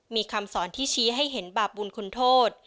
มีคำสอนที่ชี้ให้เห็นบาปบุญคุณโทษ